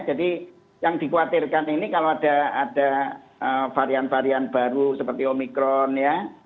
jadi yang dikhawatirkan ini kalau ada varian varian baru seperti omikron ya